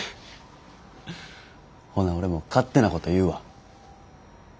ほな俺も勝手なこと言うわ。